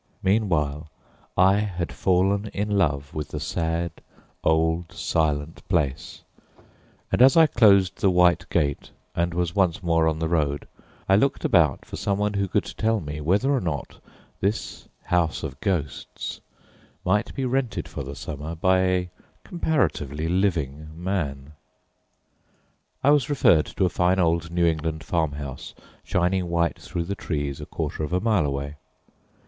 Meanwhile I had fallen in love with the sad, old, silent place, and as I closed the white gate and was once more on the road, I looked about for someone who could tell me whether or not this house of ghosts might be rented for the summer by a comparatively living man. I was referred to a fine old New England farm house shining white through the trees a quarter of a mile away.